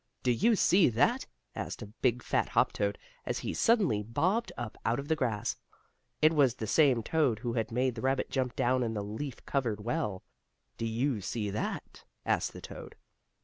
Do you see that?" asked a big, fat hop toad, as he suddenly bobbed up out of the grass. It was the same toad who had made the rabbit jump down in the leaf covered well. "Do you see that?" asked the toad.